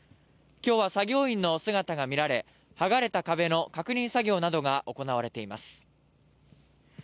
今日は作業員の姿が見られ、はがれた壁の確認作業などが行われています。